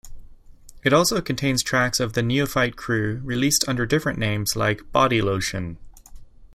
It also contains tracks of the Neophyte crew released under different names like "Bodylotion".